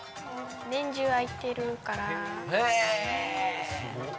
年中開いてるからへえ！